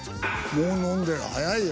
もう飲んでる早いよ。